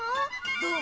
どう？